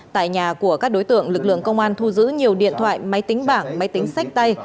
tại nhà của các đối tượng lực lượng công an thu giữ nhiều điện thoại máy tính bảng máy tính sách tay